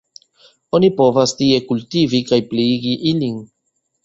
Oni provas tie kultivi kaj pliigi ilin.